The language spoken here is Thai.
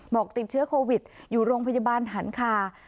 ติดเชื้อโควิดอยู่โรงพยาบาลหันคา